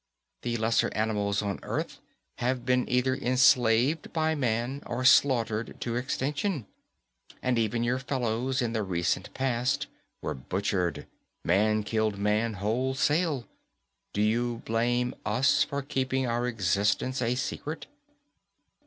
The lesser animals on Earth have been either enslaved by man or slaughtered to extinction. And even your fellows in the recent past were butchered; man killed man wholesale. Do you blame us for keeping our existence a secret?